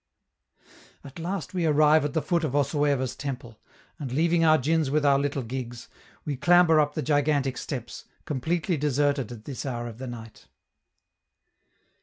At last we arrive at the foot of Osueva's temple, and, leaving our djins with our little gigs, we clamber up the gigantic steps, completely deserted at this hour of the night.